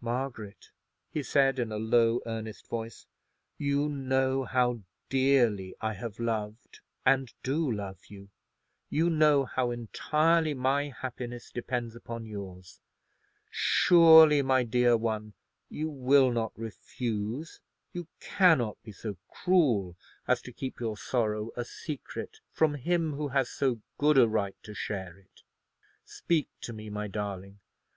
"Margaret," he said, in a low earnest voice, "you know how dearly I have loved and do love you; you know how entirely my happiness depends upon yours; surely, my dear one, you will not refuse—you cannot be so cruel as to keep your sorrow a secret from him who has so good a right to share it? Speak to me, my darling.